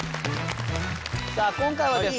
さあ今回はですね